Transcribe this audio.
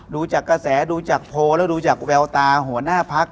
ดูจากกระแสดูจากโพลแล้วดูจากแววตาหัวหน้าพัก